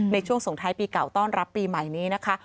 ในช่วงส่งท้ายปีเก่าต้อนรับปีใหม่นี้นะคะ